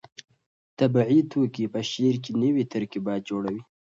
طبیعي توکي په شعر کې نوي ترکیبات جوړوي.